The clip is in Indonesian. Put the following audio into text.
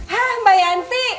hah mbak yanti